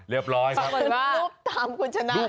เรียบร้อยครับรูปตามคุณชนะ